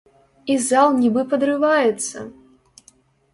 І зал нібы падрываецца!